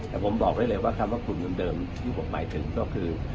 แต่ผมบอกเรื่อยว่าคือคลุมเดิมที่ผมหมายถึงก็คือ